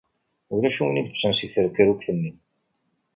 Ulac win i yeččan si trekrukt-nni.